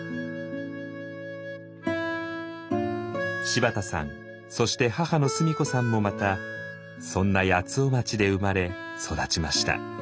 柴田さんそして母の須美子さんもまたそんな八尾町で生まれ育ちました。